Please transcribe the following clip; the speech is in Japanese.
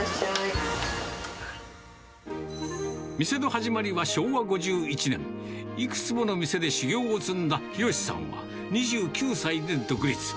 店の始まりは昭和５１年、いくつもの店で修業を積んだ弘さんは、２９歳で独立。